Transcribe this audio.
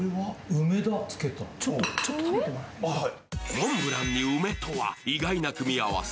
モンブランに梅とは意外な組み合わせ。